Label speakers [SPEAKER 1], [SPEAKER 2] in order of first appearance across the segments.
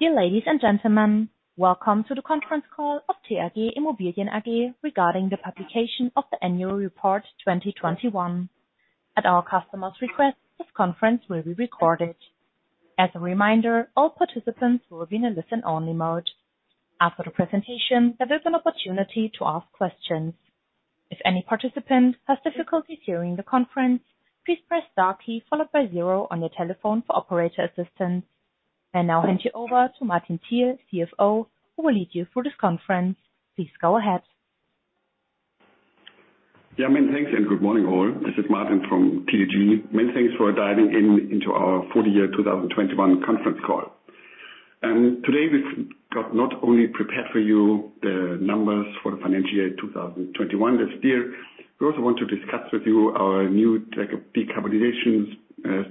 [SPEAKER 1] Dear ladies and gentlemen, welcome to the conference call of TAG Immobilien AG regarding the publication of the annual report 2021. At our customer's request, this conference will be recorded. As a reminder, all participants will be in a listen-only mode. After the presentation, there is an opportunity to ask questions. If any participant has difficulties hearing the conference, please press star key followed by zero on your telephone for operator assistance. I now hand you over to Martin Thiel, CFO, who will lead you through this conference. Please go ahead.
[SPEAKER 2] Yeah, many thanks, and good morning, all. This is Martin from TAG. Many thanks for dialing in to our full-year 2021 conference call. Today we've got not only prepared for you the numbers for the financial year 2021 this year, we also want to discuss with you our new decarbonization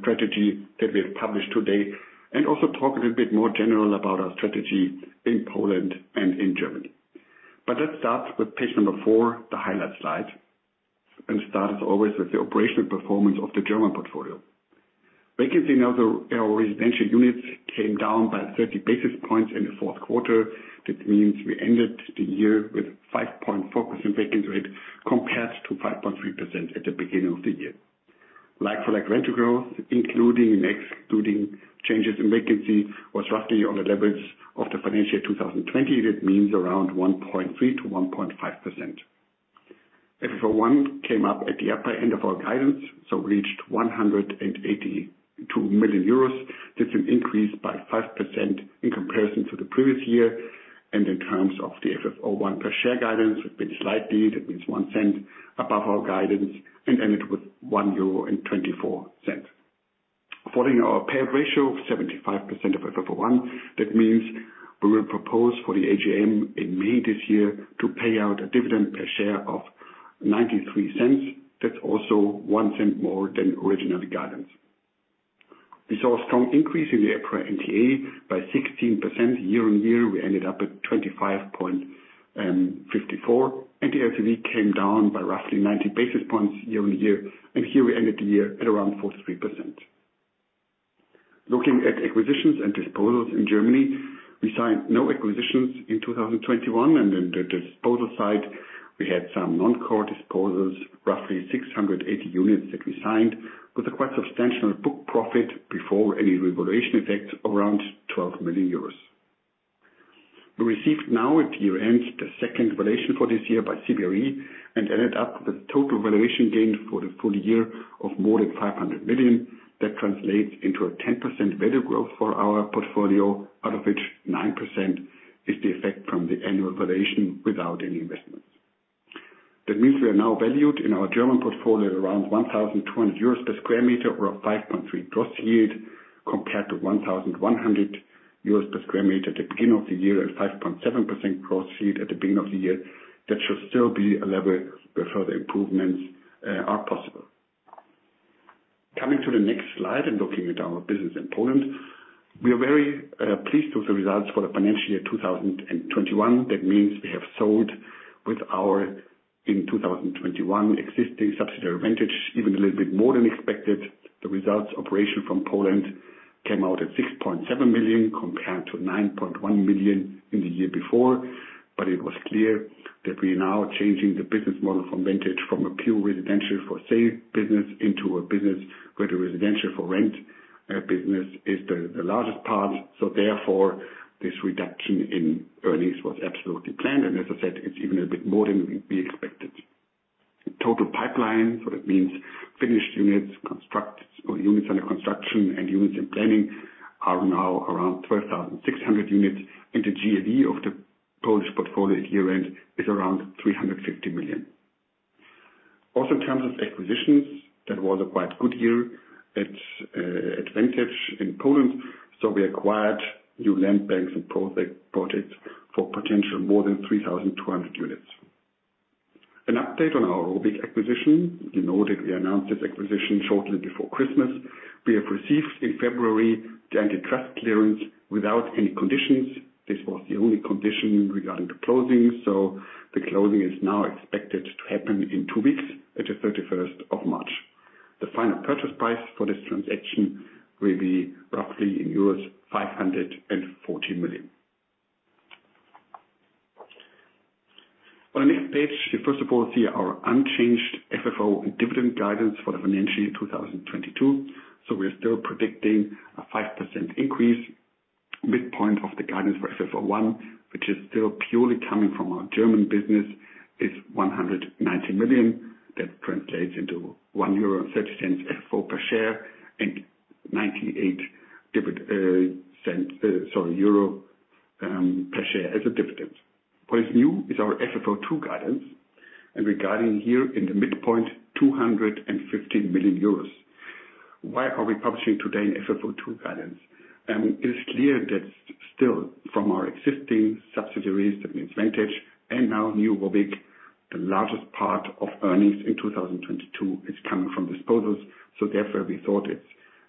[SPEAKER 2] strategy that we have published today, and also talk a little bit more general about our strategy in Poland and in Germany. Let's start with page four, the highlight slide, and start as always, with the operational performance of the German portfolio. Vacancy in our residential units came down by 30 basis points in the fourth quarter. That means we ended the year with 5.2% vacancy rate compared to 5.3% at the beginning of the year. Like-for-like rental growth, including and excluding changes in vacancy, was roughly on the levels of the financial year 2020. That means around 1.3%-1.5%. FFO I came up at the upper end of our guidance, so reached 182 million euros. That's an increase by 5% in comparison to the previous year. In terms of the FFO I per share guidance, we've been slightly, that means EUR .01 above our guidance, and ended with 1.24 euro. Following our payout ratio of 75% of FFO I, that means we will propose for the AGM in May this year to pay out a dividend per share of 0.93. That's also EUR .01 more than original guidance. We saw a strong increase in the NTA by 16% year-on-year. We ended up at 25.54. The LTV came down by roughly 90 basis points year-on-year. Here we ended the year at around 43%. Looking at acquisitions and disposals in Germany, we signed no acquisitions in 2021. On the disposal side, we had some non-core disposals, roughly 680 units that we signed with a quite substantial book profit before any revaluation effect around 12 million euros. We received now at year-end the second valuation for this year by CBRE, and ended up with total valuation gain for the full-year of more than 500 million. That translates into a 10% value growth for our portfolio, out of which 9% is the effect from the annual valuation without any investments. That means we are now valued in our German portfolio at around 1,020 euros per sq m or a 5.3% gross yield, compared to 1,100 euros per sq m at the beginning of the year, and 5.7% gross yield at the beginning of the year. That should still be a level where further improvements are possible. Coming to the next slide and looking at our business in Poland, we are very pleased with the results for the financial year 2021. That means we have sold with our, in 2021 existing subsidiary, Vantage, even a little bit more than expected. The operational results from Poland came out at 6.7 million compared to 9.1 million in the year before. It was clear that we are now changing the business model from Vantage from a pure residential for sale business into a business where the residential for rent business is the largest part. Therefore, this reduction in earnings was absolutely planned. As I said, it's even a bit more than we expected. Total pipeline, so that means finished units, or units under construction and units in planning are now around 12,600 units, and the GAV of the Polish portfolio at year-end is around 350 million. Also in terms of acquisitions, that was a quite good year at Vantage in Poland, so we acquired new land banks and projects for potential more than 3,200 units. An update on our ROBYG acquisition. You know that we announced this acquisition shortly before Christmas. We have received in February the antitrust clearance without any conditions. This was the only condition regarding the closing, so the closing is now expected to happen in two weeks at the 31st of March. The final purchase price for this transaction will be roughly euros 540 million. On the next page, you first of all see our unchanged FFO and dividend guidance for the financial year 2022. We're still predicting a 5% increase. Midpoint of the guidance for FFO I, which is still purely coming from our German business, is 190 million. That translates into 1.30 euro FFO per share and 0.98 euro per share as a dividend. What is new is our FFO II guidance, and we're guiding here in the midpoint 250 million euros. Why are we publishing today an FFO II guidance? It is clear that still from our existing subsidiaries, that means Vantage and now new ROBYG, the largest part of earnings in 2022 is coming from disposals. Therefore, we thought it's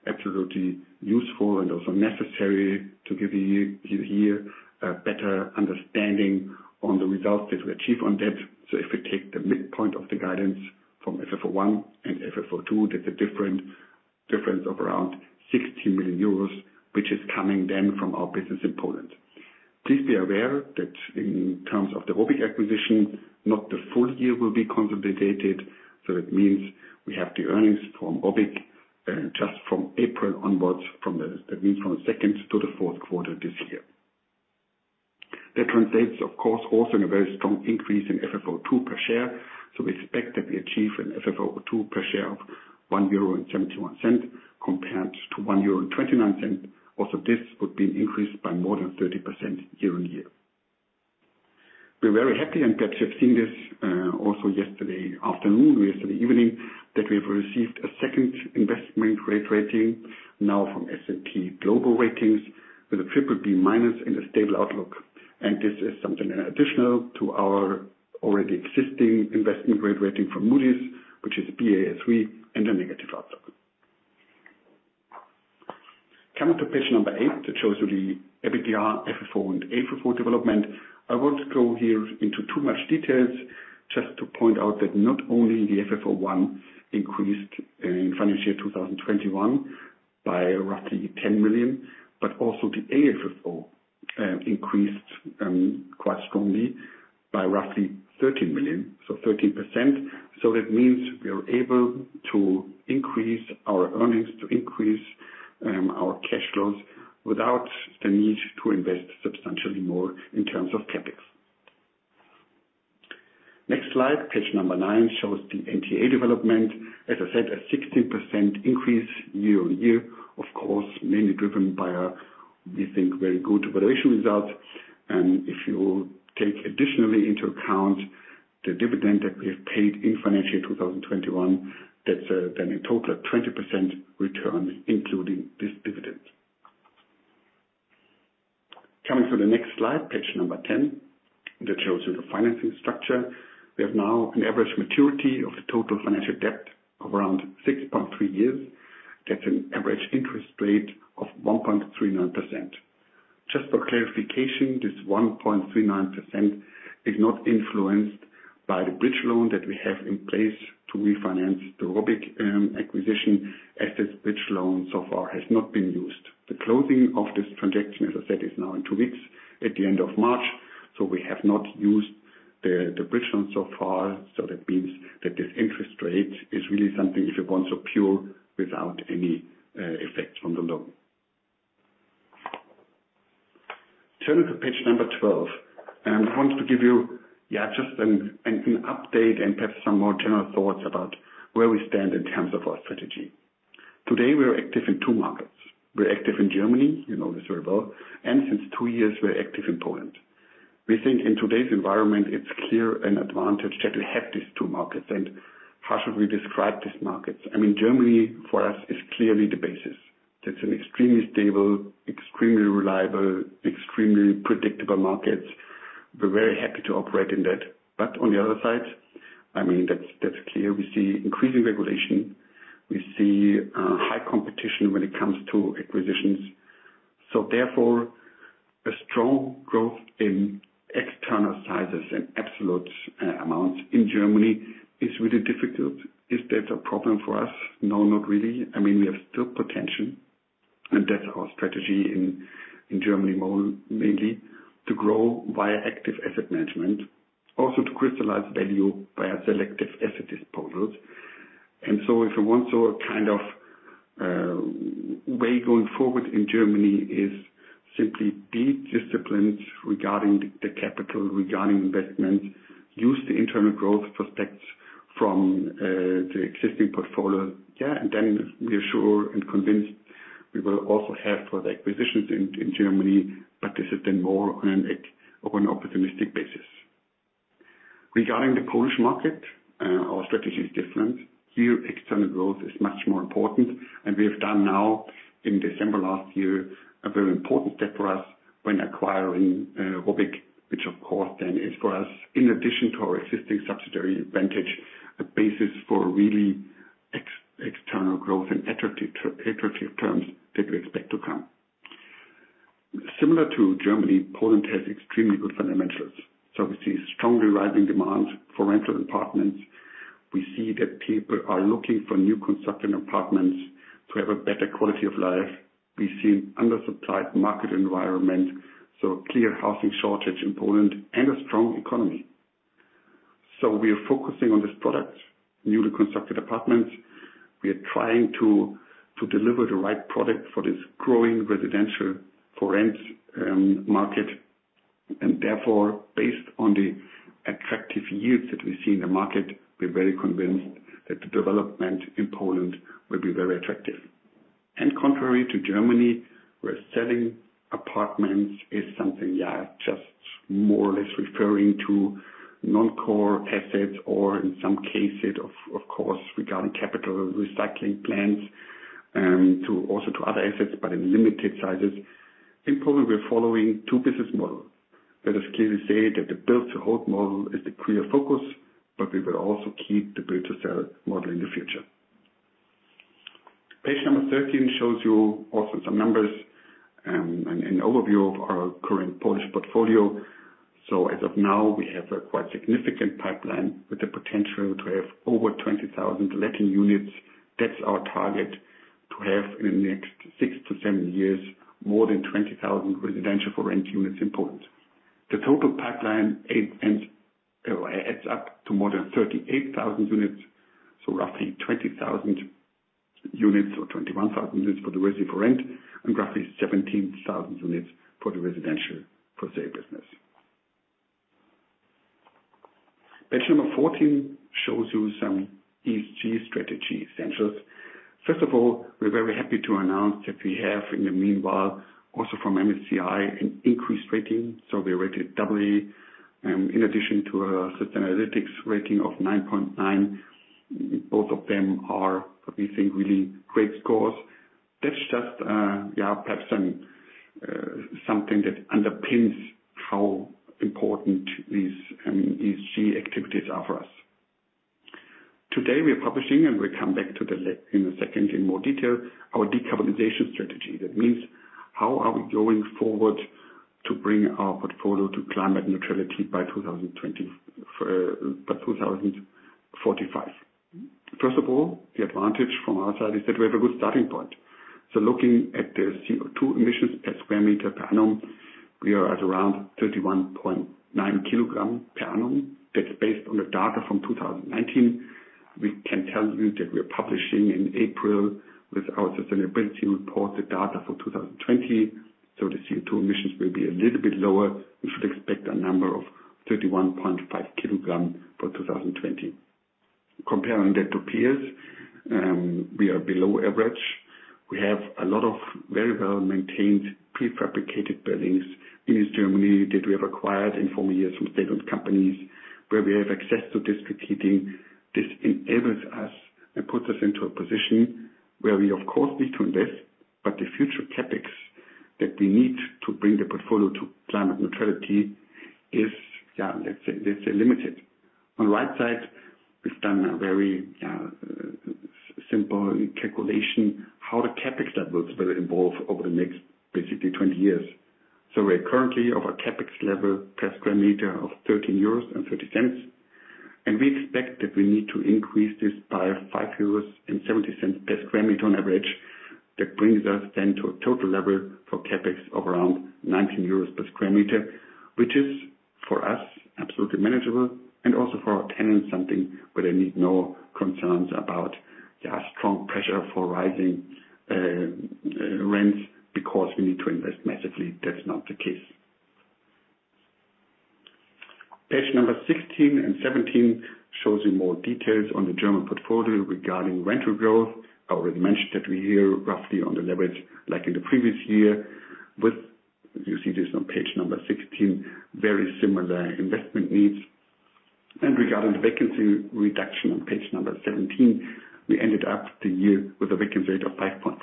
[SPEAKER 2] absolutely useful and also necessary to give you here a better understanding on the results that we achieve on that. If we take the midpoint of the guidance from FFO I and FFO II, that's a difference of around 60 million euros, which is coming then from our business in Poland. Please be aware that in terms of the ROBYG acquisition, not the full year will be consolidated. It means we have the earnings from ROBYG just from April onwards, that means from second to the fourth quarter this year. That translates, of course, also in a very strong increase in FFO II per share. We expect that we achieve an FFO II per share of 1.71 euro compared to 1.29 euro. This would be an increase by more than 30% year-on-year. We're very happy, and perhaps you've seen this also yesterday afternoon, yesterday evening, that we have received a second investment grade rating now from S&P Global Ratings with a BBB- in a stable outlook. This is something additional to our already existing investment grade rating from Moody's, which is Baa3 and a negative outlook. Coming to page eight, that shows you the EBITDA, FFO and AFFO development. I won't go here into too much details just to point out that not only the FFO I increased in financial year 2021 by roughly 10 million, but also the AFFO increased quite strongly by roughly 13 million, so 13%. That means we are able to increase our earnings, to increase our cash flows without the need to invest substantially more in terms of CapEx. Next slide, page nine, shows the NTA development. As I said, a 16% increase year-on-year, of course, mainly driven by a we think very good valuation result. If you take additionally into account the dividend that we have paid in financial year 2021, that's then a total of 20% return, including this dividend. Coming to the next slide, page number 10, that shows you the financing structure. We have now an average maturity of the total financial debt of around 6.3 years. That's an average interest rate of 1.39%. Just for clarification, this 1.39% is not influenced by the bridge loan that we have in place to refinance the ROBYG acquisition as this bridge loan so far has not been used. The closing of this transaction, as I said, is now in two weeks at the end of March, so we have not used the bridge loan so far. That means that this interest rate is really something if you want so pure without any effects from the loan. Turning to page 12, I want to give you, yeah, just an update and perhaps some more general thoughts about where we stand in terms of our strategy. Today, we are active in two markets. We're active in Germany, you know this very well, and since two years, we're active in Poland. We think in today's environment it's clear an advantage that we have these two markets. How should we describe these markets? I mean, Germany for us is clearly the basis. That's an extremely stable, extremely reliable, extremely predictable market. We're very happy to operate in that. On the other side, I mean, that's clear we see increasing regulation. We see high competition when it comes to acquisitions. Therefore, a strong growth in external sizes and absolute amounts in Germany is really difficult. Is that a problem for us? No, not really. I mean, we have still potential, and that's our strategy in Germany more mainly to grow via active asset management, also to crystallize value Let us clearly say that the Build-to-Hold model is the clear focus, but we will also keep the Build-to-Sell model in the future. Page number 13 shows you also some numbers, an overview of our current Polish portfolio. As of now, we have a quite significant pipeline with the potential to have over 20,000 letting units. That's our target to have in the next six to seven years, more than 20,000 residential for rent units in Poland. The total pipeline adds up to more than 38,000 units, so roughly 20,000 units or 21,000 units for the residential for rent and roughly 17,000 units for the residential for sale business. Page number 14 shows you some ESG strategy essentials. First of all, we're very happy to announce that we have, in the meanwhile, also from MSCI, an increased rating, so we are rated doubly. In addition to a sustainability rating of 9.9. Both of them are, we think, really great scores. That's just perhaps something that underpins how important these, I mean, ESG activities are for us. Today, we are publishing, and we come back in a second in more detail, our decarbonization strategy. That means how are we going forward to bring our portfolio to climate neutrality by 2045. First of all, the advantage from our side is that we have a good starting point. Looking at the CO₂ emissions per sq m per annum, we are at around 31.9 kg per annum. That's based on the data from 2019. We can tell you that we're publishing in April with our sustainability report, the data for 2020, so the CO₂ emissions will be a little bit lower. We should expect a number of 31.5 kg for 2020. Comparing that to peers, we are below average. We have a lot of very well-maintained prefabricated buildings in East Germany that we have acquired in former years from state-owned companies where we have access to district heating. This enables us and puts us into a position where we of course need to invest, but the future CapEx that we need to bring the portfolio to climate neutrality is, let's say limited. On the right side, we've done a very simple calculation how the CapEx levels will evolve over the next, basically, 20 years. We're currently of a CapEx level per sq m of 13.30 euros, and we expect that we need to increase this by 5.70 euros per sq m on average. That brings us then to a total level for CapEx of around 19 euros per sq m. Which is, for us, absolutely manageable and also for our tenants, something where they need no concerns about the strong pressure for rising rents because we need to invest massively. That's not the case. Page number 16 and 17 shows you more details on the German portfolio regarding rental growth. I already mentioned that we're here roughly on the leverage like in the previous year with, you see this on page number 16, very similar investment needs. Regarding the vacancy reduction on page 17, we ended up the year with a vacancy rate of 5.4%.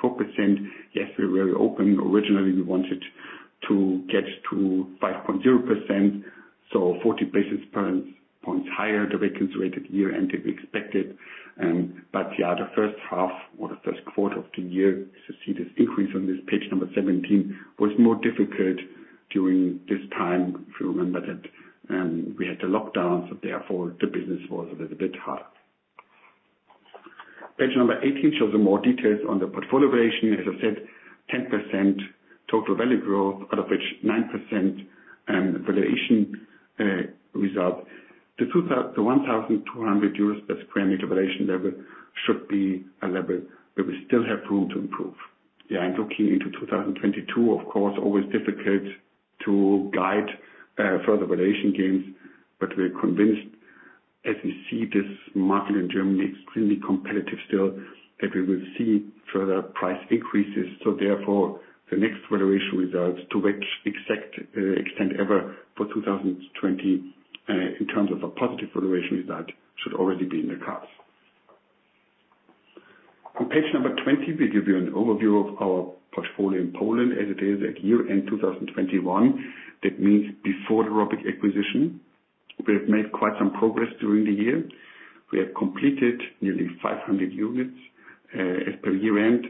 [SPEAKER 2] Yes, we were off. Originally, we wanted to get to 5.0%, so 40 basis points higher the vacancy rate at year-end than we expected. The first half or the first quarter of the year, you see this increase on page 17, was more difficult during this time. If you remember that, we had the lockdowns, so therefore the business was a little bit hurt. Page 18 shows you more details on the portfolio valuation. As I said, 10% total value growth, out of which 9% valuation result. The 1,200 euros per sq m valuation level should be a level where we still have room to improve. Yeah, looking into 2022, of course, always difficult to guide further valuation gains. We're convinced, as we see this market in Germany extremely competitive still, that we will see further price increases. Therefore, the next valuation results to whatever exact extent for 2022 in terms of a positive valuation result should already be in the cards. On page 20, we give you an overview of our portfolio in Poland as it is at year-end 2021. That means before the ROBYG acquisition. We have made quite some progress during the year. We have completed nearly 500 units as per year-end.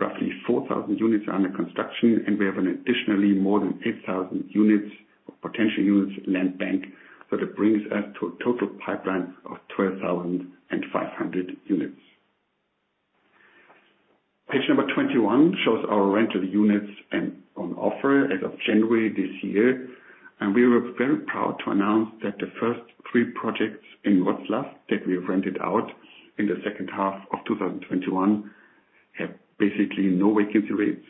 [SPEAKER 2] Roughly 4,000 units are under construction, and we have additionally more than 8,000 units or potential units land bank. That brings us to a total pipeline of 12,500 units. Page number 21 shows our rental units and on offer as of January this year. We were very proud to announce that the first three projects in Wrocław that we have rented out in the second half of 2021 have basically no vacancy rates.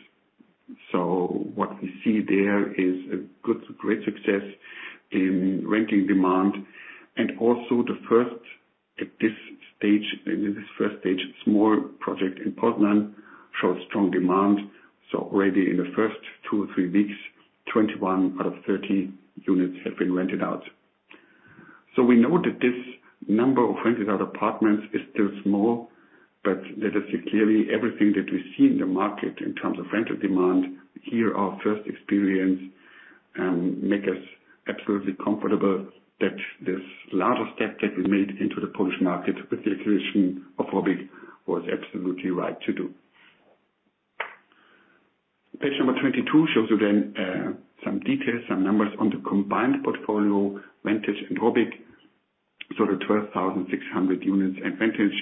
[SPEAKER 2] What we see there is a good, great success in renting demand. Also the first, at this stage, in this first stage, small project in Poznań shows strong demand. Already in the first two, three weeks, 21 out of 30 units have been rented out. We know that this number of rented out apartments is still small, but that is clearly everything that we see in the market in terms of rental demand. Here, our first experience make us absolutely comfortable that this larger step that we made into the Polish market with the acquisition of ROBYG was absolutely right to do. Page number 22 shows you then some details, some numbers on the combined portfolio, Vantage and ROBYG. The 12,600 units in Vantage,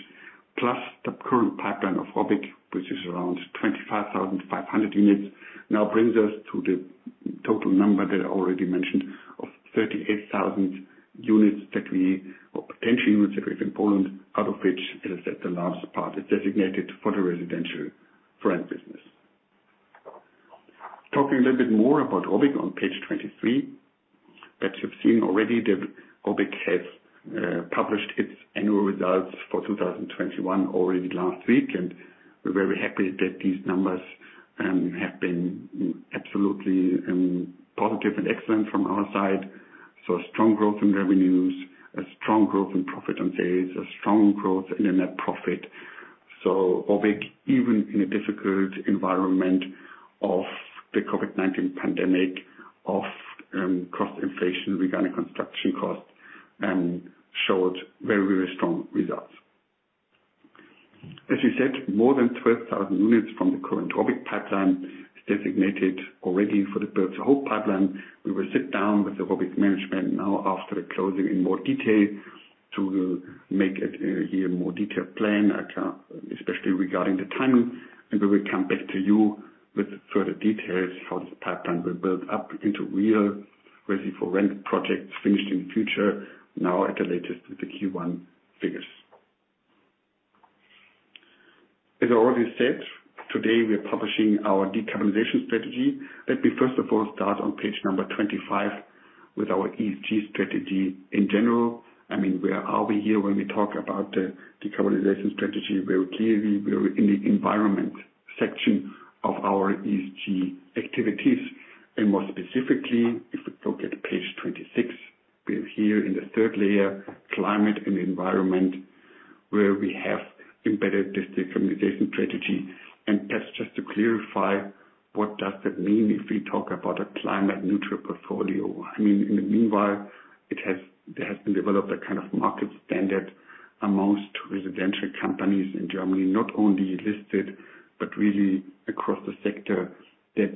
[SPEAKER 2] plus the current pipeline of ROBYG, which is around 25,500 units, now brings us to the total number that I already mentioned of 38,000 units or potential units that we have in Poland, out of which, as I said, the largest part is designated for the residential for rent business. Talking a little bit more about ROBYG on page 23, but you've seen already that ROBYG has published its annual results for 2021 already last week. We're very happy that these numbers have been absolutely positive and excellent from our side. A strong growth in revenues, a strong growth in profit on sales, a strong growth in the net profit. ROBYG, even in a difficult environment of the COVID-19 pandemic, cost inflation regarding construction costs, showed very, very strong results. As we said, more than 12,000 units from the current ROBYG pipeline is designated already for the Build-to-Hold pipeline. We will sit down with the ROBYG management now after the closing in more detail to make it a year more detailed plan, especially regarding the timing. We will come back to you with further details how this pipeline will build up into real ready-for-rent projects finished in the future, now at the latest with the Q1 figures. As I already said, today we are publishing our decarbonization strategy. Let me first of all start on page 25 with our ESG strategy in general. I mean, where are we here when we talk about the decarbonization strategy? Well, clearly we are in the environment section of our ESG activities. More specifically, if we look at page 26, we are here in the third layer, climate and environment, where we have embedded this decarbonization strategy. That's just to clarify what does that mean if we talk about a climate neutral portfolio. I mean, in the meanwhile, there has been developed a kind of market standard among residential companies in Germany, not only listed, but really across the sector. That's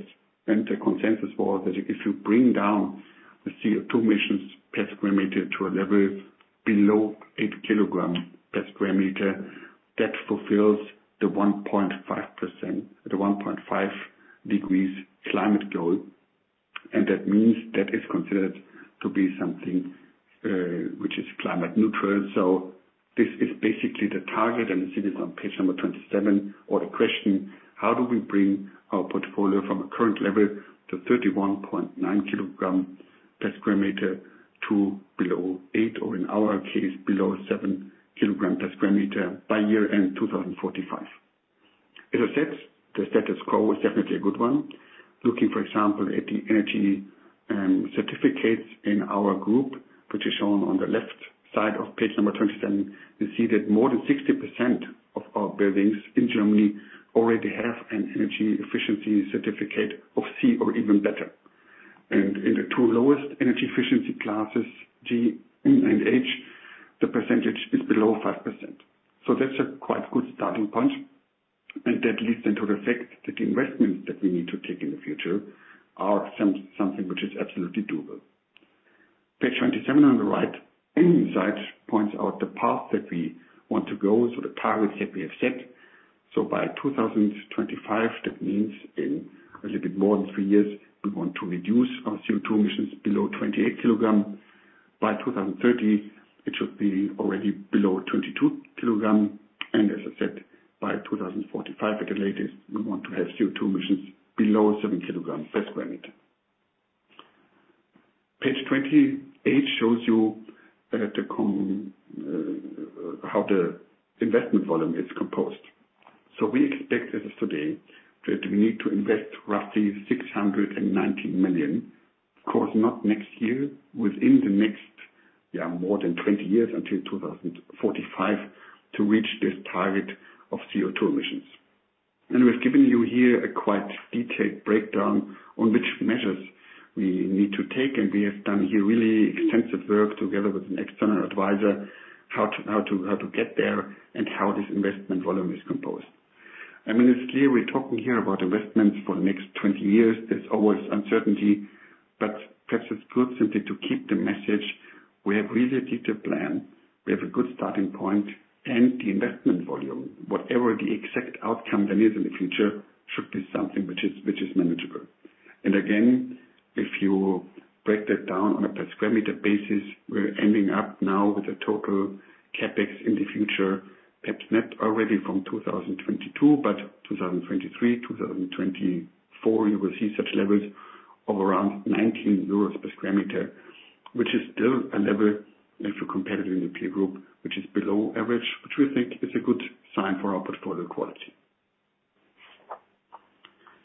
[SPEAKER 2] The consensus was that if you bring down the CO₂ emissions per sq m to a level below 8 kg per sq m, that fulfills the 1.5 degrees climate goal. That means that is considered to be something which is climate neutral. This is basically the target, and you see this on page 27. The question, how do we bring our portfolio from a current level of 31.9 kg per sq m to below 8 kg, or in our case, below 7 kg per sq m by year-end 2045? As I said, the status quo is definitely a good one. Looking, for example, at the energy certificates in our group, which is shown on the left side of page 27, you see that more than 60% of our buildings in Germany already have an energy efficiency certificate of C or even better. In the two lowest energy efficiency classes, G and H, the percentage is below 5%. That's a quite good starting point. That leads then to the fact that the investments that we need to take in the future are something which is absolutely doable. Page 27 on the right side points out the path that we want to go, so the targets that we have set. By 2025, that means in a little bit more than three years, we want to reduce our CO₂ emissions below 28 kg. By 2030, it should be already below 22 kg. As I said, by 2045 at the latest, we want to have CO₂ emissions below 7 kg per sq m. Page 28 shows you how the investment volume is composed. We expect as of today that we need to invest roughly 690 million. Of course, not next year, within the next more than 20 years until 2045 to reach this target of CO₂ emissions. We've given you here a quite detailed breakdown on which measures we need to take. We have done here really extensive work together with an external advisor, how to get there and how this investment volume is composed. I mean, it's clear we're talking here about investments for the next 20 years. There's always uncertainty, but perhaps it's good simply to keep the message, we have really detailed plan. We have a good starting point. The investment volume, whatever the exact outcome there is in the future, should be something which is manageable. Again, if you break that down on a per sq m basis, we're ending up now with a total CapEx in the future, perhaps not already from 2022, but 2023, 2024, you will see such levels of around 19 euros per sq m, which is still a level, if you compare to the peer group, which is below average, which we think is a good sign for our portfolio quality.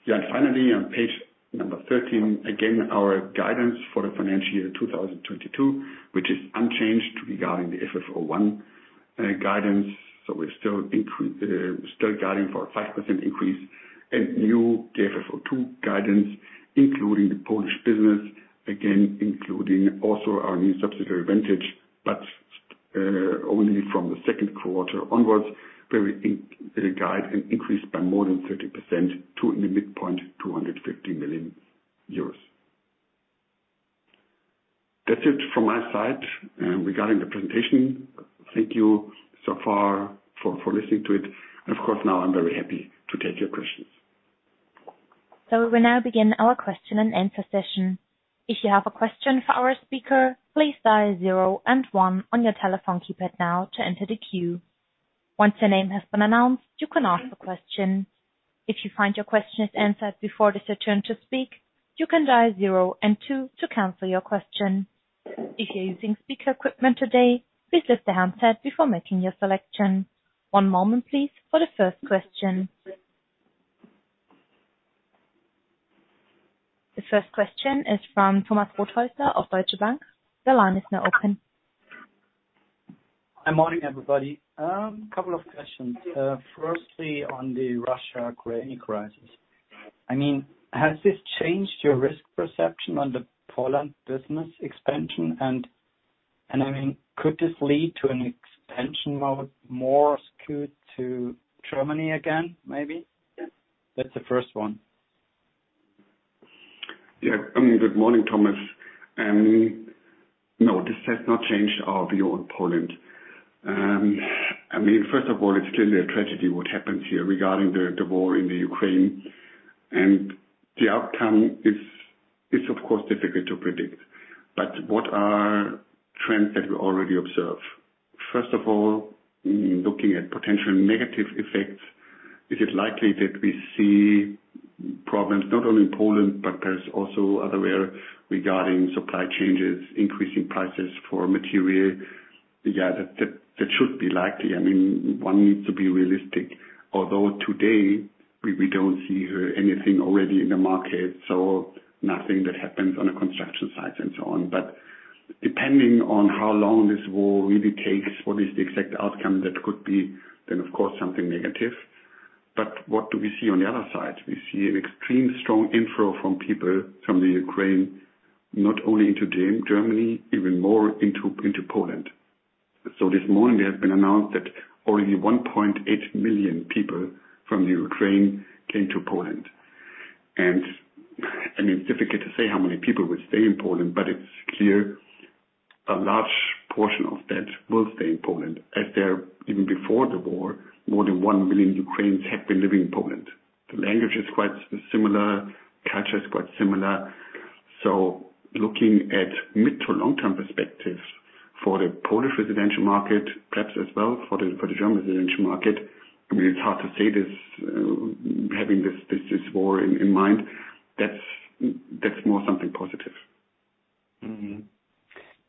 [SPEAKER 2] Finally on page 13, again, our guidance for the financial year 2022, which is unchanged regarding the FFO I guidance. We're still guiding for a 5% increase. New FFO II guidance, including the Polish business, again, including also our new subsidiary, Vantage, but only from the second quarter onwards where we expect an increase by more than 30% to, in the midpoint, 250 million euros. That's it from my side, regarding the presentation. Thank you so far for listening to it. Of course, now I'm very happy to take your questions.
[SPEAKER 1] We will now begin our question and answer session. If you have a question for our speaker, please dial zero and one on your telephone keypad now to enter the queue. Once your name has been announced, you can ask a question. If you find your question is answered before it is your turn to speak, you can dial zero and two to cancel your question. If you're using speaker equipment today, please lift the handset before making your selection. One moment please for the first question. The first question is from Thomas Rothäusler of Deutsche Bank. The line is now open.
[SPEAKER 3] Good morning, everybody. Couple of questions. Firstly, on the Russia-Ukraine crisis. I mean, has this changed your risk perception on the Poland business expansion? I mean, could this lead to an expansion mode more skewed to Germany again, maybe? That's the first one.
[SPEAKER 2] Yeah. I mean, good morning, Thomas. No, this has not changed our view on Poland. I mean, first of all, it's clearly a tragedy what happens here regarding the war in Ukraine. The outcome is of course difficult to predict. What are trends that we already observe? First of all, looking at potential negative effects, is it likely that we see problems not only in Poland, but elsewhere regarding supply chains, increasing prices for material? Yeah, that should be likely. I mean, one needs to be realistic. Although today we don't see anything already in the market, so nothing that happens on a construction site and so on. Depending on how long this war really takes, what is the exact outcome that could be then of course something negative. What do we see on the other side? We see an extreme strong inflow from people from Ukraine, not only into Germany, even more into Poland. This morning it has been announced that already 1.8 million people from Ukraine came to Poland. I mean, it's difficult to say how many people will stay in Poland, but it's clear a large portion of that will stay in Poland, as there even before the war, more than 1 million Ukrainians have been living in Poland. The language is quite similar, culture is quite similar. Looking at mid- to long-term perspectives for the Polish residential market, perhaps as well for the German residential market, I mean, it's hard to say this having this war in mind. That's more something positive.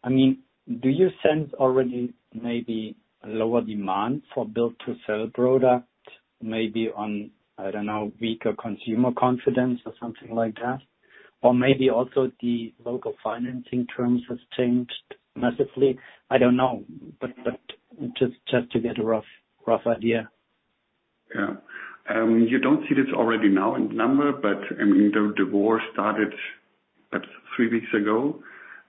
[SPEAKER 3] I mean, do you sense already maybe a lower demand for Build-to-Sell product maybe on, I don't know, weaker consumer confidence or something like that? Or maybe also the local financing terms has changed massively? I don't know, but just to get a rough idea.
[SPEAKER 2] Yeah. You don't see this already now in numbers, but I mean, the war started perhaps three weeks ago.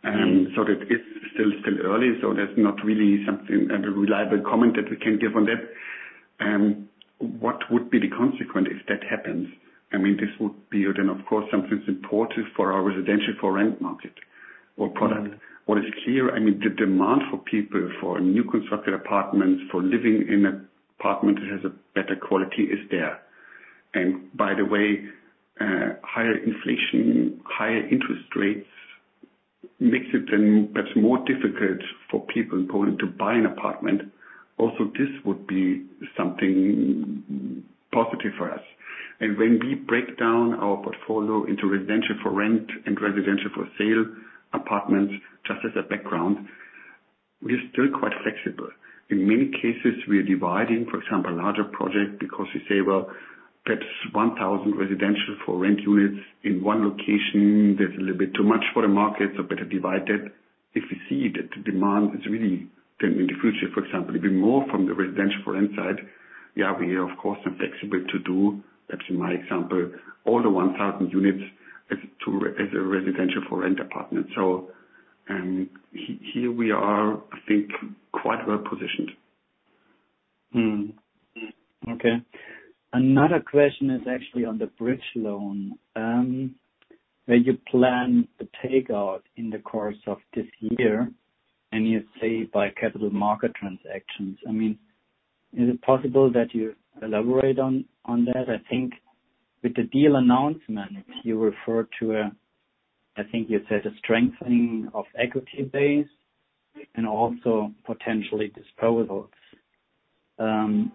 [SPEAKER 2] That is still early, so there's not really something a reliable comment that we can give on that. What would be the consequence if that happens? I mean, this would be then of course something supportive for our residential for rent market or product. What is clear, I mean, the demand for people for new constructed apartments, for living in an apartment that has a better quality is there. By the way, higher inflation, higher interest rates makes it then perhaps more difficult for people in Poland to buy an apartment. Also, this would be something positive for us. When we break down our portfolio into residential for rent and residential for sale apartments, just as a background, we're still quite flexible. In many cases, we are dividing, for example, larger project because we say, well, perhaps 1,000 residential for rent units in one location, that's a little bit too much for the market, so better divide that. If we see that the demand is really then in the future, for example, even more from the residential for rent side. Yeah, we are of course then flexible to do, that's in my example, all the 1,000 units as a residential for rent apartment. Here we are, I think, quite well positioned.
[SPEAKER 3] Okay. Another question is actually on the bridge loan. When you plan the takeout in the course of this year, and you say by capital market transactions. I mean, is it possible that you elaborate on that? I think with the deal announcement, you referred to a strengthening of equity base and also potentially disposals.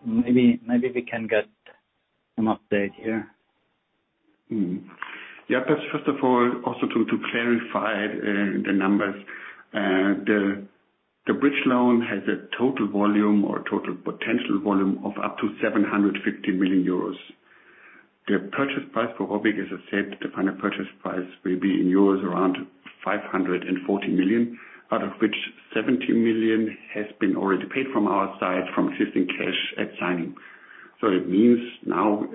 [SPEAKER 3] Maybe we can get some update here.
[SPEAKER 2] Yeah. First of all, also to clarify the numbers. The bridge loan has a total volume or total potential volume of up to 750 million euros. The purchase price for ROBYG, as I said, the final purchase price will be in euros around 540 million, out of which 70 million has been already paid from our side from existing cash at signing. It means now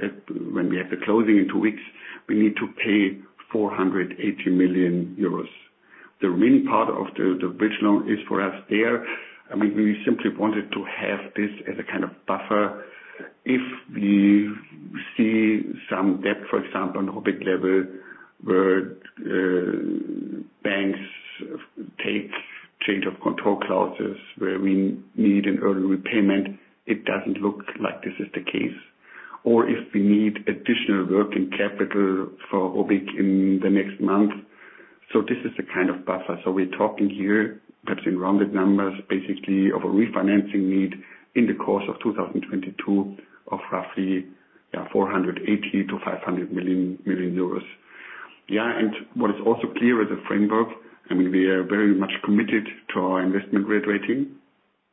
[SPEAKER 2] when we have the closing in two weeks, we need to pay 480 million euros. The remaining part of the bridge loan is for us there. I mean, we simply wanted to have this as a kind of buffer. If we see some debt, for example, on the public level, where banks have change of control clauses where we need an early repayment, it doesn't look like this is the case. If we need additional working capital within the next month. This is the kind of buffer. We're talking here perhaps in rounded numbers, basically of a refinancing need in the course of 2022 of roughly, yeah, 480 million-500 million. Yeah. What is also clear is the framework. I mean, we are very much committed to our investment grade rating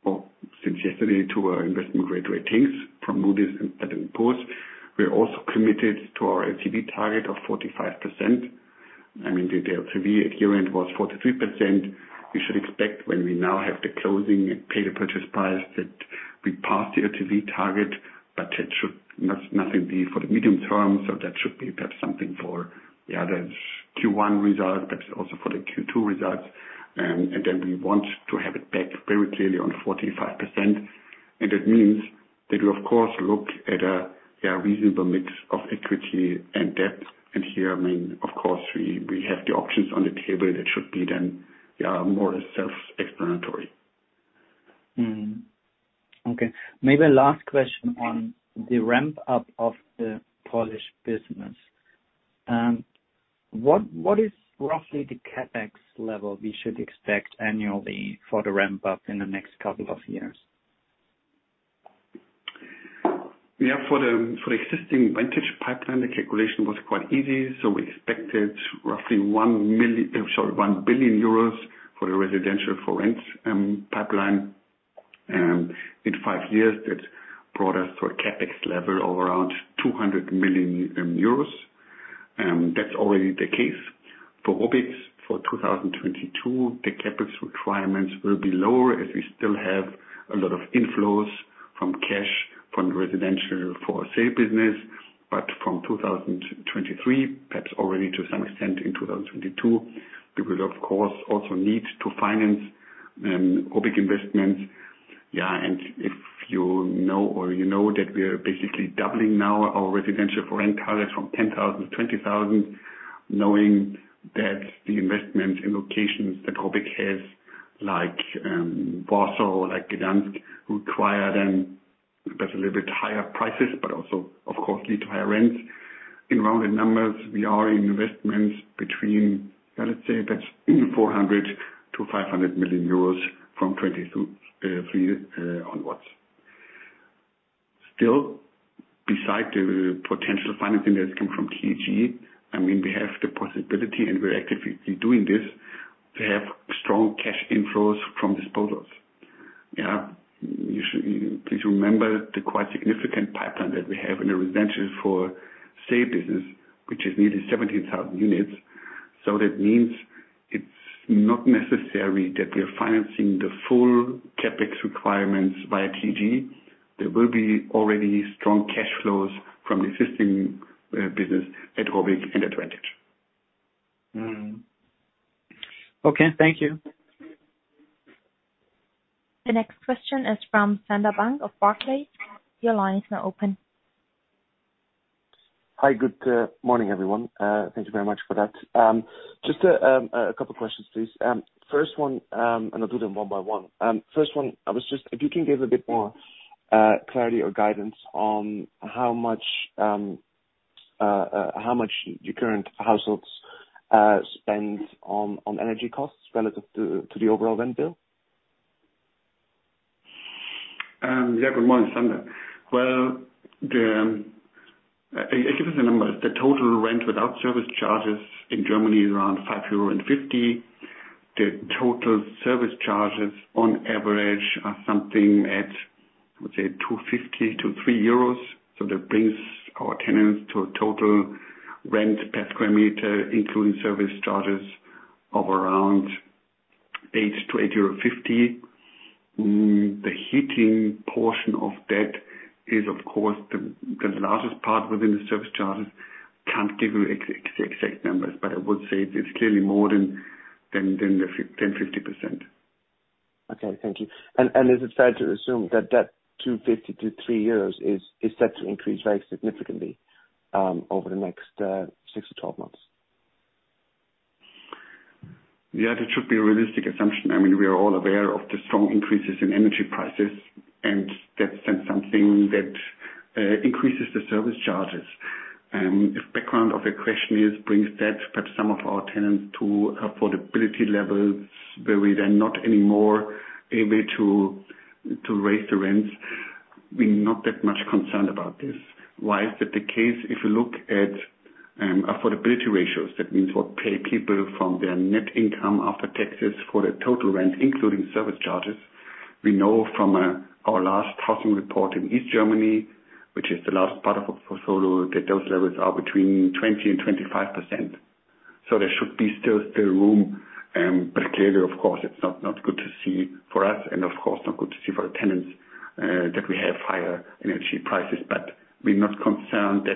[SPEAKER 2] or since yesterday, to our investment grade ratings from Moody's and S&P Global. We're also committed to our LTV target of 45%. I mean, the LTV at year-end was 43%. We should expect when we now have the closing pay the purchase price that we passed the LTV target, but it should not be nothing for the medium term. That should be perhaps something for, yeah, the Q1 result, but also for the Q2 results. Then we want to have it back very clearly on 45%. That means that we of course look at a reasonable mix of equity and debt. Here, I mean, of course, we have the options on the table that should be then, yeah, more self-explanatory.
[SPEAKER 3] Okay. Maybe last question on the ramp up of the Polish business. What is roughly the CapEx level we should expect annually for the ramp up in the next couple of years?
[SPEAKER 2] For the existing vintage pipeline, the calculation was quite easy. We expected roughly 1 billion euros for the residential for rent pipeline. In five years, that brought us to a CapEx level of around 200 million euros. That's already the case for 2022. For 2022, the CapEx requirements will be lower, as we still have a lot of inflows from cash flows from residential for sale business. From 2023, perhaps already to some extent in 2022, we will of course also need to finance public investments. If you know that we are basically doubling now our residential for rent coverage from 10,000-20,000, knowing that the investment in locations like Warsaw, like Gdańsk, require then that's a little bit higher prices, but also of course lead to higher rents. In rounded numbers, we are in investments between, let's say, 400 million-500 million euros from 2022, 2023 onwards. Still, besides the potential financing that comes from TAG, I mean, we have the possibility and we're actively doing this to have strong cash inflows from disposals. Please remember the quite significant pipeline that we have in the residential for sale business, which is nearly 17,000 units. That means it's not necessary that we are financing the full CapEx requirements via TAG. There will be already strong cash flows from existing business at Vantage.
[SPEAKER 3] Okay, thank you.
[SPEAKER 1] The next question is from Sander Bunck of Barclays. Your line is now open.
[SPEAKER 4] Hi, good morning, everyone. Thank you very much for that. Just a couple questions, please. First one, and I'll do them one by one. First one. If you can give a bit more clarity or guidance on how much your current households spend on energy costs relative to the overall rent bill?
[SPEAKER 2] Good morning, Sander. Well, I'll give you the numbers. The total rent without service charges in Germany is around 5.50 euro. The total service charges on average are something at, I would say, 2.50 to 3 euros. So that brings our tenants to a total rent per sq m, including service charges of around 8 to 8.50 euro. The heating portion of that is of course the largest part within the service charges. Can't give you exact numbers, but I would say it's clearly more than 50%.
[SPEAKER 4] Okay, thank you. Is it fair to assume that 2.50-3 euros is set to increase very significantly over the next six to 12 months?
[SPEAKER 2] Yeah, that should be a realistic assumption. I mean, we are all aware of the strong increases in energy prices, and that's then something that increases the service charges. If background of your question is brings that perhaps some of our tenants to affordability levels where we then not anymore able to raise the rents. We're not that much concerned about this. Why is that the case? If you look at affordability ratios, that means what people pay from their net income after taxes for the total rent, including service charges. We know from our last housing report in East Germany, which is the last part of portfolio, that those levels are between 20% and 25%. There should be still room. Clearly, of course, it's not good to see for us and of course not good to see for our tenants that we have higher energy prices. We're not concerned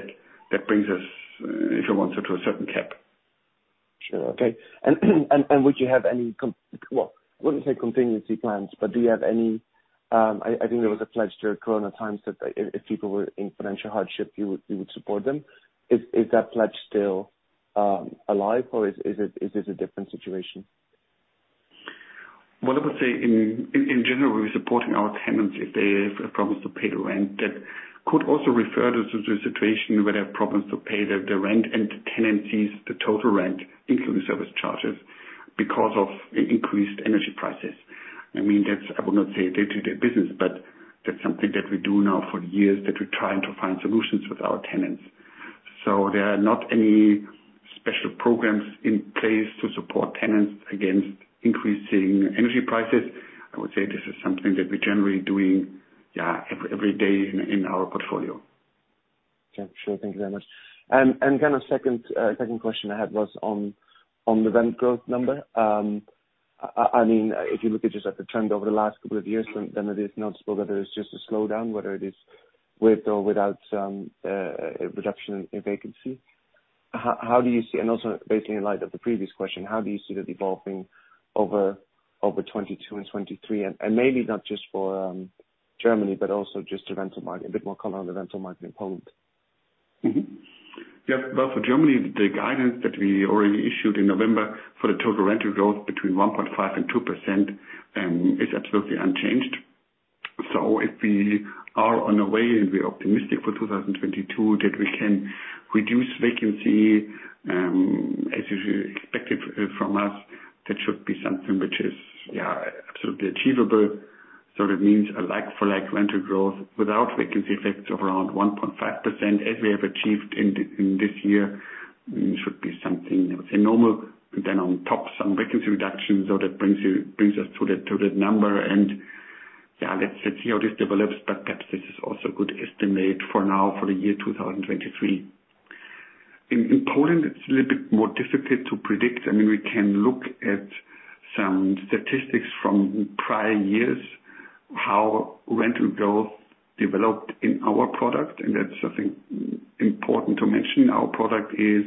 [SPEAKER 2] that brings us, if you want to a certain cap.
[SPEAKER 4] Sure. Okay. Would you have any contingency plans? Well, I wouldn't say contingency plans, but do you have any? I think there was a pledge during COVID times that if people were in financial hardship, you would support them. Is that pledge still alive, or is it a different situation?
[SPEAKER 2] What I would say in general, we're supporting our tenants if they have a promise to pay the rent. That could also refer to situation where they have problems to pay the rent and tenancies, the total rent, including service charges, because of increased energy prices. I mean, that's. I would not say day-to-day business, but that's something that we do now for years, that we're trying to find solutions with our tenants. There are not any special programs in place to support tenants against increasing energy prices. I would say this is something that we're generally doing, yeah, every day in our portfolio.
[SPEAKER 4] Okay. Sure. Thank you very much. Kind of second question I had was on the rent growth number. I mean, if you look at just the trend over the last couple of years, then it is noticeable that there is just a slowdown, whether it is with or without a reduction in vacancy. How do you see, and also basically in light of the previous question, how do you see that evolving over 2022 and 2023? Maybe not just for Germany, but also just the rental market. A bit more color on the rental market in Poland.
[SPEAKER 2] Well, for Germany, the guidance that we already issued in November for the total rental growth between 1.5% and 2% is absolutely unchanged. If we are on our way and we're optimistic for 2022 that we can reduce vacancy as you expected from us, that should be something which is, yeah, absolutely achievable. That means a like-for-like rental growth without vacancy effects of around 1.5% as we have achieved in this year should be something, I would say normal. On top, some vacancy reductions. That brings us to that number. Yeah, let's see how this develops. Perhaps this is also a good estimate for now for the year 2023. In Poland, it's a little bit more difficult to predict. I mean, we can look at some statistics from prior years, how rental growth developed in our product, and that's, I think, important to mention. Our product is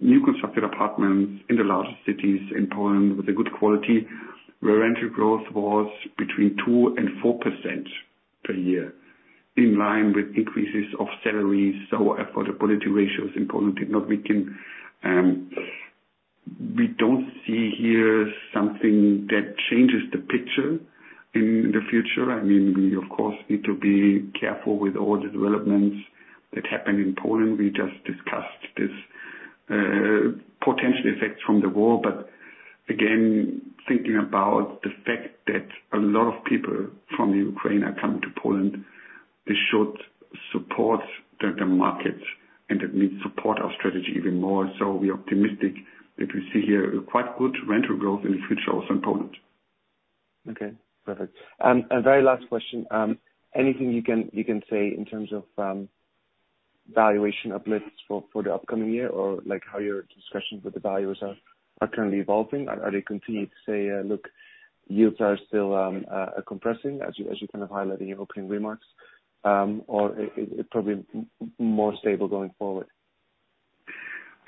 [SPEAKER 2] new constructed apartments in the largest cities in Poland with a good quality, where rental growth was between 2% and 4% per year, in line with increases of salaries. Affordability ratios in Poland did not weaken. We don't see here something that changes the picture in the future. I mean, we of course need to be careful with all the developments that happened in Poland. We just discussed this, potential effects from the war. Thinking about the fact that a lot of people from the Ukraine are coming to Poland, this should support the market and it means support our strategy even more. We're optimistic that we see here quite good rental growth in the future also in Poland.
[SPEAKER 4] Okay. Perfect. Very last question. Anything you can say in terms of valuation uplifts for the upcoming year? Or like how your discussions with the valuers are currently evolving? Are they continuing to say, look, yields are still compressing as you kind of highlighted in your opening remarks? Or is it probably more stable going forward?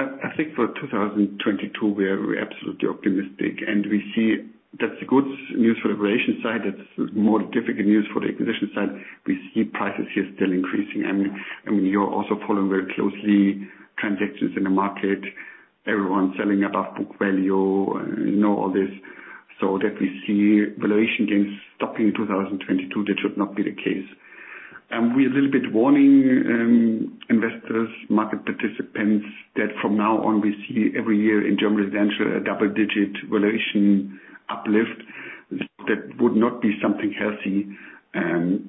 [SPEAKER 2] I think for 2022 we are absolutely optimistic, and we see that's good news for valuation side. It's more difficult news for the acquisition side. We see prices here still increasing. I mean, you're also following very closely transactions in the market. Everyone selling above book value. You know all this. So that we see valuation gains stopping in 2022, that should not be the case. We're a little bit warning investors, market participants, that from now on we see every year in German residential a double-digit valuation uplift. That would not be something healthy.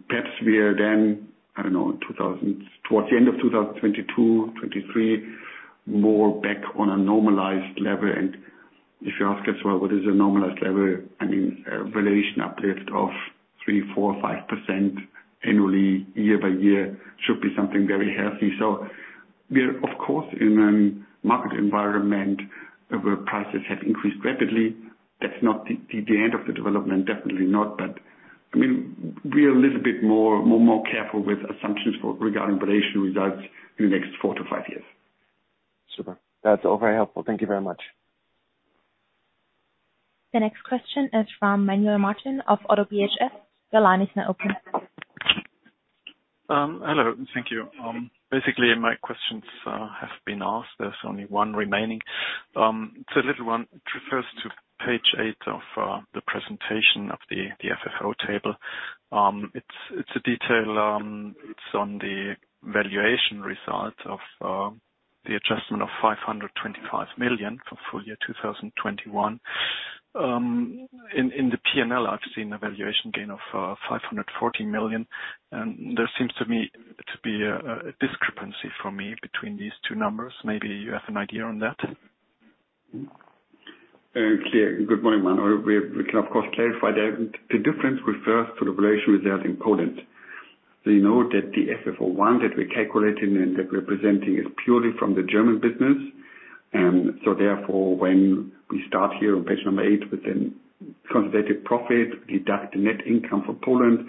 [SPEAKER 2] Perhaps we are then, I don't know, towards the end of 2022, 2023, more back on a normalized level. If you ask us, well, what is a normalized level? I mean, a valuation uplift of 3%, 4%, or 5% annually year by year should be something very healthy. We're of course in a market environment where prices have increased rapidly. That's not the end of the development, definitely not. I mean, we are a little bit more careful with assumptions regarding valuation results in the next four to five years.
[SPEAKER 4] Super. That's all very helpful. Thank you very much.
[SPEAKER 1] The next question is from Manuel Martin of ODDO BHF. Your line is now open.
[SPEAKER 5] Hello. Thank you. Basically my questions have been asked. There's only one remaining. It's a little one. It refers to page eight of the presentation of the FFO table. It's a detail. It's on the valuation result of the adjustment of 525 million for full-year 2021. In the P&L, I've seen a valuation gain of 540 million, and there seems to me to be a discrepancy for me between these two numbers. Maybe you have an idea on that.
[SPEAKER 2] Good morning, Manuel. We can of course clarify that. The difference refers to the revaluation result in Poland. You know that the FFO I that we calculated and that we are presenting is purely from the German business. Therefore, when we start here on page eight with the consolidated profit, deduct the net income from Poland,